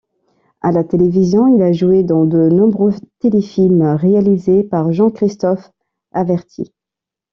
À la télévision, il a joué dans de nombreux téléfilms réalisés par Jean-Christophe Averty.